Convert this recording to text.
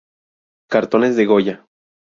Cartones de Goya